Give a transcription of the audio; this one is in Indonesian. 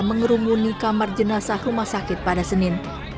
mengerumuni kamar jenazah rumah sakit pada senin